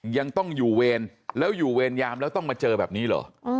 ยังต้องอยู่เวรแล้วอยู่เวรยามแล้วต้องมาเจอแบบนี้เหรอ